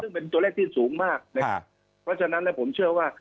ซึ่งเป็นตัวเลขที่สูงมากนะครับเพราะฉะนั้นแล้วผมเชื่อว่า